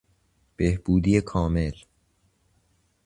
بهبودی کامل